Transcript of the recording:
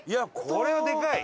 これはでかい！